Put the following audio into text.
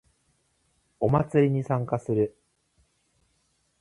お祭りに参加する